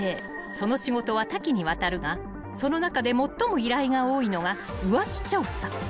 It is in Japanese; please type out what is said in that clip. その仕事は多岐にわたるがその中で最も依頼が多いのが浮気調査］